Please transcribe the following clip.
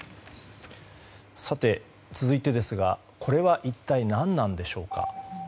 続いてですがこれは一体何なんでしょうか。